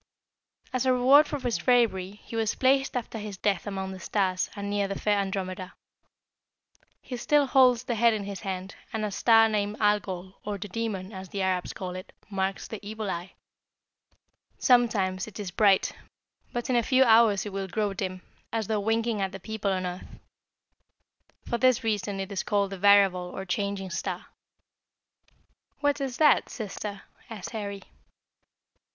"As a reward for his bravery, he was placed after his death among the stars, and near the fair Andromeda. He still holds the head in his hand, and a star named Algol, or the Demon, as the Arabs call it, marks the evil eye. Sometimes it is bright, but in a few hours it will grow dim, as though winking at the people on earth. For this reason it is called a variable or changing star." [Illustration: PERSEUS.] "What is that, sister?" asked Harry.